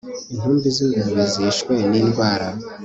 intumbi z ingurube zishwe n indwara